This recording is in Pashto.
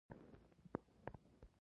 ایا تر اوسه بې هوښه شوي یاست؟